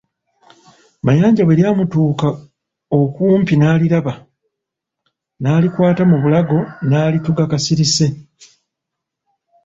Mayanja bwe lyamutuuka okumpi n'aliraba, n'alikwata mu bulago n'alituga kasirise.